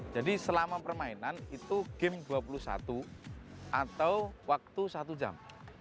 jadi selama permainan itu game dua puluh satu atau waktu satu jam